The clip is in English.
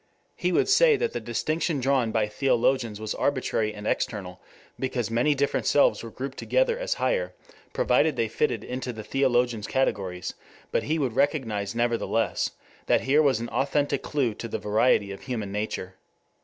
He would say that the distinction drawn by theologians was arbitrary and external, because many different selves were grouped together as higher provided they fitted into the theologian's categories, but he would recognize nevertheless that here was an authentic clue to the variety of human nature.